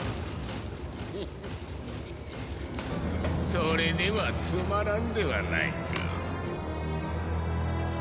それではつまらんではないか。